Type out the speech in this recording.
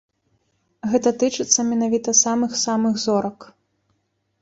Гэта тычыцца менавіта самых-самых зорак.